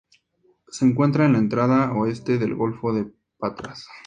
Se encuentra en la entrada oeste del golfo de Patras.